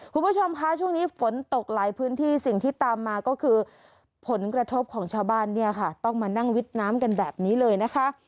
คุณผู้ชมคะช่วงนี้ฝนตกหลายพื้นที่สิ่งที่ตามมาก็คือผลกระทบของชาวบ้านเนี่ยค่ะต้องมานั่งวิดน้ำกันแบบนี้เลยนะคะ